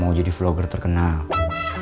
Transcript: mau jadi vlogger terkenal